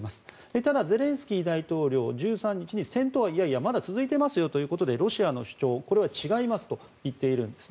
ただ、ゼレンスキー大統領１３日に戦闘はまだ続いていますよということでロシアの主張、これは違いますと言っているんです。